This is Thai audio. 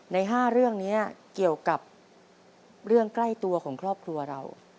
ใน๕เรื่องนี้เกี่ยวกับเรื่องใกล้ตัวของครอบครัวเรา